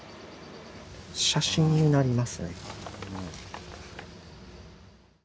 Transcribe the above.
写真になりますね。